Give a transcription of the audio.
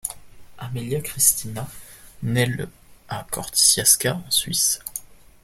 Amélia Christinat, nait le à Corticiasca en Suisse.